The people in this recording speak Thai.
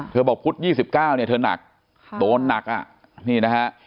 บอกพุธ๒๙เนี่ยเธอหนักโดนหนักอ่ะนี่นะฮะ